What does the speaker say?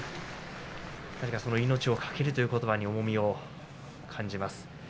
命を懸けるということばに重みを感じます。